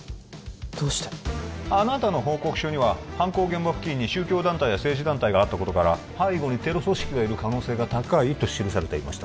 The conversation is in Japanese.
どうしてあなたの報告書には犯行現場付近に宗教団体や政治団体があったことから背後にテロ組織がいる可能性が高いと記されていました